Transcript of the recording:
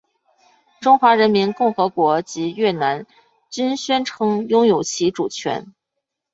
中华人民共和国及越南均宣称拥有其主权。